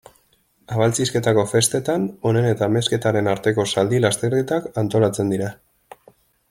Abaltzisketako festetan, honen eta Amezketaren arteko zaldi-lasterketak antolatzen dira.